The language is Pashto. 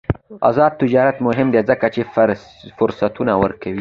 آزاد تجارت مهم دی ځکه چې فرصتونه ورکوي.